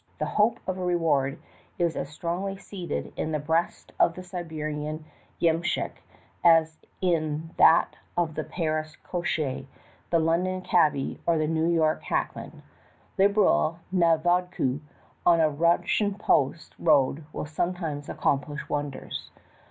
The hope of reward is as strongly seated in the breast of the Siberian yemshick as in that of the Paris cochcr, the London cabby, or the New York hack man. Liberal "Aa Vodku^^ on a Russian post road will sometimes accomplish wonders.